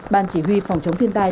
ban chỉ huy phòng chống thiên tai